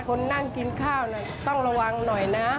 คนนั่งกินข้าวต้องระวังหน่อยนะ